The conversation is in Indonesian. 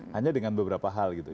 hanya dengan beberapa hal gitu